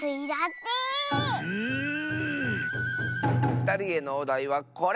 ふたりへのおだいはこれ！